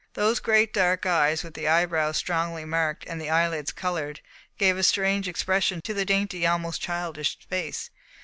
Those great dark eyes, with the eyebrows strongly marked and the eyelids coloured, gave a strange expression to the dainty, almost childish face.